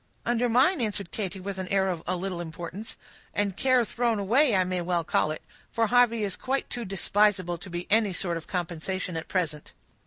"Under mine," answered Katy, with an air of a little importance. "And care thrown away I may well call it; for Harvey is quite too despisable to be any sort of compensation at present."